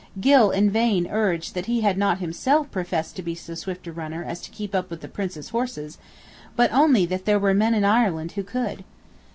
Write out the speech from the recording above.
Gylle in vain urged that he had not himself professed to be so swift a runner as to keep up with the Prince's horses; but only that there were men in Ireland who could.